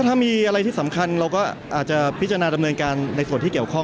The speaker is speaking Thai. ถ้ามีอะไรที่สำคัญเราก็อาจจะพิจารณาดำเนินการในส่วนที่เกี่ยวข้อง